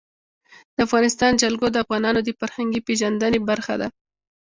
د افغانستان جلکو د افغانانو د فرهنګي پیژندنې برخه ده.